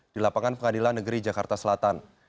di lapangan pengadilan negeri jakarta selatan